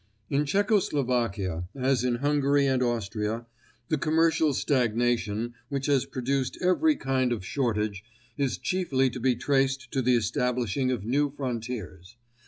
In Czecho Slovakia, as in Hungary and Austria, the commercial stagnation which has produced every kind, of shortage, is chiefly to be traced to the establishing of new frontiers.